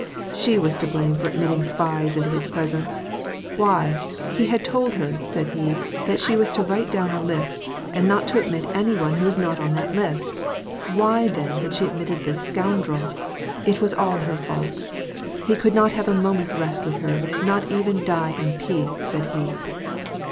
She was to blame for admitting spies into his presence. Why, he had told her, said he, that she was to write down a list, and not to admit any one who was not on the list. Why, then, had she admitted this scoundrel ? It was all her fault. He could not have a moment's rest with her, not even die in peace, said he.